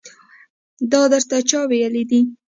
دا درته چا ويلي دي.